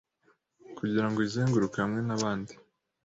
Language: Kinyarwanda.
Kugirango uyizenguruke hamwe na bandi